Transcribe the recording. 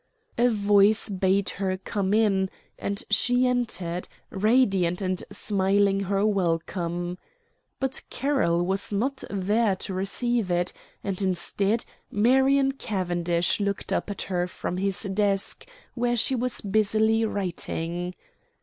A voice bade her come in, and she entered, radiant and smiling her welcome. But Carroll was not there to receive it, and instead, Marion Cavendish looked up at her from his desk where she was busily writing.